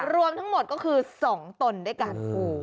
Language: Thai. รวมทั้งหมดก็คือสองตนด้วยการปู